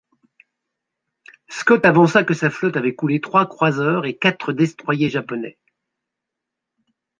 Scott avança que sa flotte avait coulé trois croiseurs et quatre destroyers japonais.